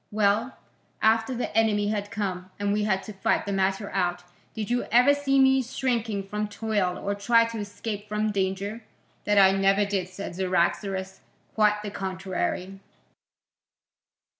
"Well, after the enemy had come, and we had to fight the matter out, did you ever see me shrink from toil or try to escape from danger?" "That I never did," said Cyaxares, "quite the contrary."